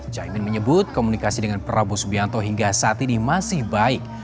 caimin menyebut komunikasi dengan prabowo subianto hingga saat ini masih baik